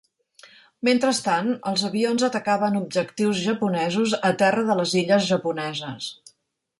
"Mentrestant, els avions atacaven objectius japonesos a terra de les illes japoneses."